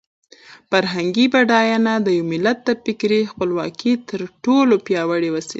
فرهنګي بډاینه د یو ملت د فکري خپلواکۍ تر ټولو پیاوړې وسله ده.